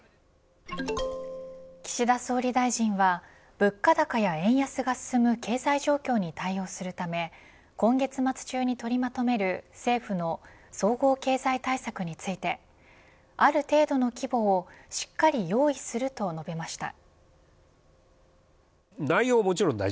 岸田総理大臣は物価高や円安が進む経済状況に対応するため今月末中に取りまとめる政府の総合経済対策についてある程度の規模をしっかり用意すると述べました。